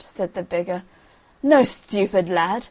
said the beggar, "no, stupid lad!